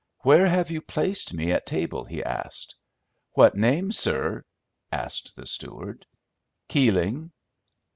"Where have you placed me at table?" he asked. "What name, sir?" asked the steward. "Keeling."